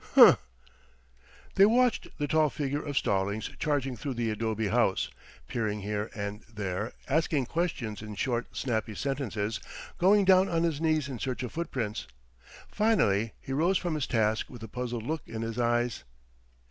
Humph!" They watched the tall figure of Stallings charging through the adobe house, peering here and there, asking questions in short, snappy sentences, going down on his knees in search of footprints. Finally he rose from his task with a puzzled look in his eyes.